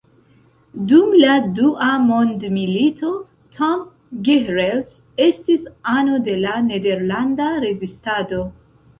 Dum la dua mondmilito, Tom Gehrels estis ano de la nederlanda rezistado.